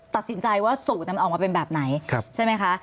ตัดสินใจว่าสูตรมันออกมาเป็นแบบไหนใช่ไหมคะ